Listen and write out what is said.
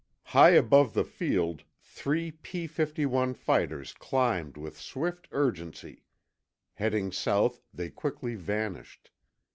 High above the field, three P 51 fighters climbed with swift urgency. Heading south, they quickly vanished.